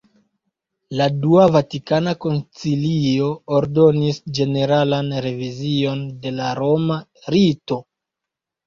La Dua Vatikana Koncilio ordonis ĝeneralan revizion de la roma rito.